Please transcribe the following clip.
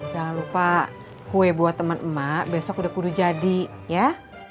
jangan lupa kue buat teman emak besok udah kudu jadi ya